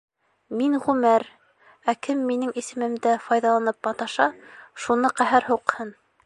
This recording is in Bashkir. Мин Ғүмәр, ә кем минең исемемде файҙаланып маташа, шуны ҡәһәр һуҡһын!